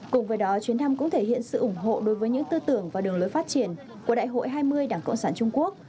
cùng với đó chuyến thăm cũng thể hiện sự ủng hộ đối với những tư tưởng và đường lối phát triển của đại hội hai mươi đảng cộng sản trung quốc